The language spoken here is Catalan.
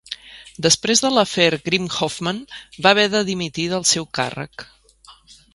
Després de l'afer Grimm-Hoffmann, va haver de dimitir del seu càrrec.